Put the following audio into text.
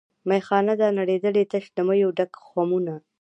میخانه ده نړېدلې تش له میو ډک خُمونه